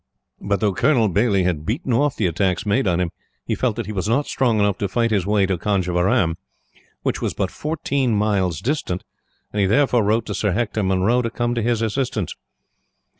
But though Colonel Baillie had beaten off the attacks made on him, he felt that he was not strong enough to fight his way to Conjeveram, which was but fourteen miles distant; and he therefore wrote to Sir Hector Munro, to come to his assistance.